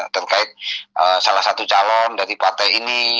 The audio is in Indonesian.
terkait salah satu calon dari partai ini